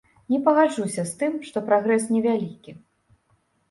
Не пагаджуся з тым, што прагрэс невялікі.